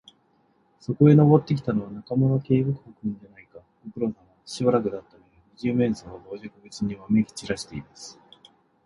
そこへ登ってきたのは、中村警部君じゃないか。ご苦労さま。しばらくだったねえ。二十面相は傍若無人にわめきちらしています。